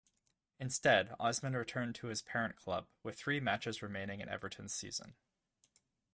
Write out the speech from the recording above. Instead, Osman returned to his parent club with three matches remaining in Everton's season.